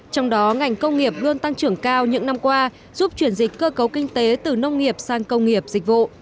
trong đó ngành công nghiệp luôn tăng trưởng cao những năm qua giúp chuyển dịch cơ cấu kinh tế từ nông nghiệp sang công nghiệp dịch vụ